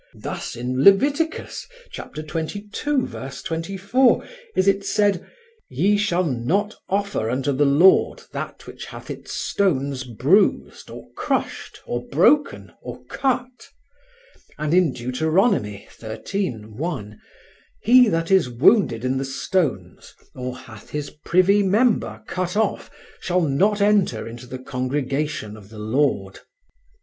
Thus in Leviticus (xxii, 24) is it said: "Ye shall not offer unto the Lord that which hath its stones bruised, or crushed, or broken, or cut." And in Deuteronomy (xxiii, 1), "He that is wounded in the stones, or hath his privy member cut off, shall not enter into the congregation of the Lord."